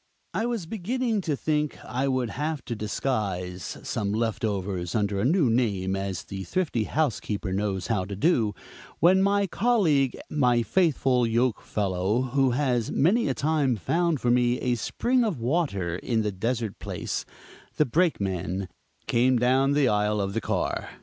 I was beginning to think I would have to disguise some "left overs" under a new name, as the thrifty housekeeper knows how to do, when my colleague, my faithful yoke fellow, who has many a time found for me a spring of water in the desert place the Brakeman, came down the aisle of the car.